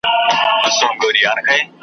یوه بل ته په خوږه ژبه ګویان سول .